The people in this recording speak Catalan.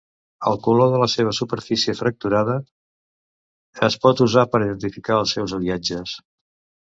El color de la seva superfície fracturada es pot usar per identificar els seus aliatges.